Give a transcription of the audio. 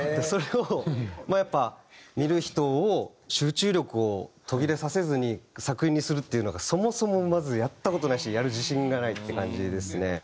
それをまあやっぱ見る人を集中力を途切れさせずに作品にするっていうのがそもそもまずやった事ないしやる自信がないって感じですね。